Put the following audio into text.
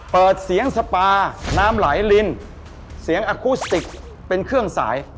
เปิดเสียงสปาน้ำไหลลินเสียงอคุสติกเป็นเครื่องสาย